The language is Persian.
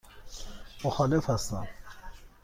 مخالف هستم.